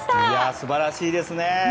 素晴らしいですね。